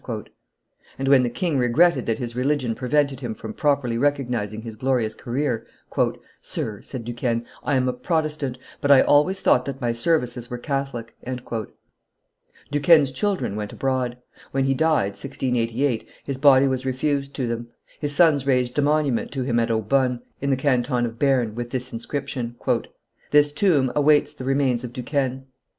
And, when the king regretted that his religion prevented him from properly recognizing his glorious career, "Sir," said Duquesne, "I am a Protestant, but I always thought that my services were Catholic." Duquesne's children went abroad. When he died, 1688, his body was refused to them. His sons raised a monument to him at Aubonne, in the canton of Berne, with this inscription: "This tomb awaits the remains of Duquesne.